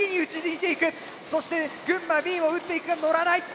そして群馬Ｂも撃っていくがのらない。